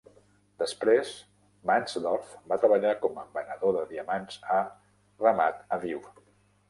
Després, Mansdorf va treballar com a venedor de diamants a Ramat Aviv.